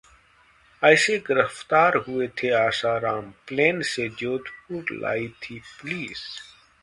ऐसे गिरफ्तार हुए थे आसाराम, प्लेन से जोधपुर लाई थी पुलिस